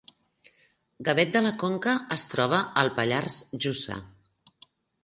Gavet de la Conca es troba al Pallars Jussà